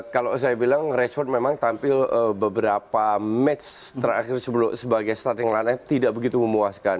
kalau saya bilang raceford memang tampil beberapa match terakhir sebagai starting line up tidak begitu memuaskan